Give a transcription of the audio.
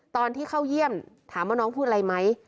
ตอนที่เข้าเยี่ยมถามว่าน้องพูดอะไรไหม